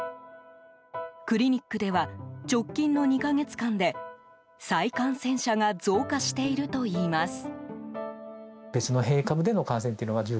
クリニックでは直近の２か月間で再感染者が増加しているといいます。